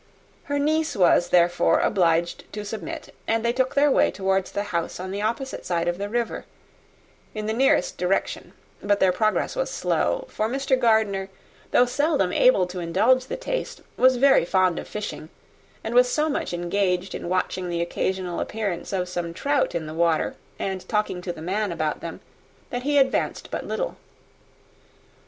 Her niece was, therefore, obliged to submit, and they took their way towards the house on the opposite side of the river, in the nearest direction; but their progress was slow, for Mr. Gardiner, though seldom able to indulge the taste, was very fond of fishing, and was so much engaged in watching the occasional appearance of some trout in the water, and talking to the man about them, that he advanced but little.